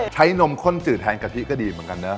นมข้นจืดแทนกะทิก็ดีเหมือนกันนะ